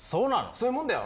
そういうもんだよ。